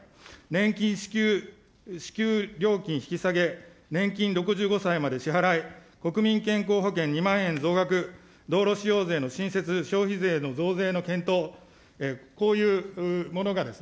年金支給料金引き下げ、年金６５歳まで支払い、国民健康保険２万円増額、道路使用税の新設、消費税の増税の検討、こういうものが＃